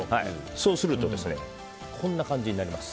そうするとこんな感じになります。